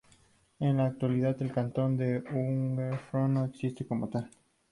En la actualidad el cantón de Unterwalden no existe como tal.